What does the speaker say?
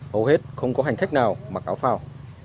hầu hết không có hành khách nào mặc áo phao